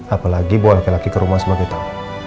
apalagi bawa laki laki ke rumah sebagai tahu